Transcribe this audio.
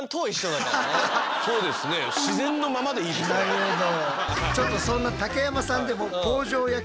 なるほど。